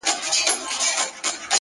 هوډ د شکونو شور خاموشوي.!